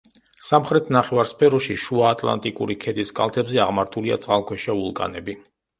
სამხრეთ ნახევარსფეროში შუაატლანტიკური ქედის კალთებზე აღმართულია წყალქვეშა ვულკანები.